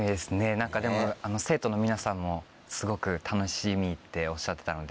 何かでも生徒の皆さんもすごく楽しみっておっしゃってたので。